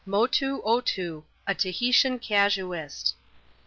Motoo Otoo. A Tahitian Casaist.